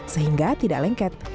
sehingga tidak lengket